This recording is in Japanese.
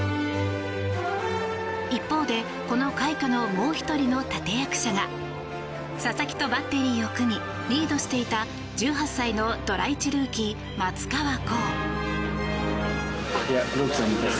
一方で、この快挙のもう１人の立役者が佐々木とバッテリーを組みリードしていた１８歳のドラ１ルーキー松川虎生。